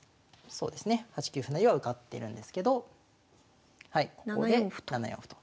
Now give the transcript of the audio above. そうですね８九歩成は受かってるんですけどはいここで７四歩と。